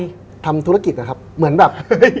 ใจเธอทำธุรกิจเหมือนแบบ